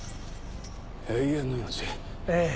ええ。